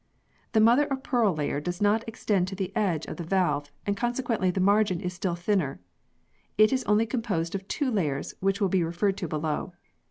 The mother of pearl layer does not extend to the edge of the valve and consequently the margin is still thinner. It is only composed of two layers, which will be referred to below.